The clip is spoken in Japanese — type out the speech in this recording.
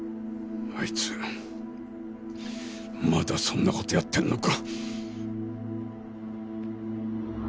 あいつまだそんなことやってんのか。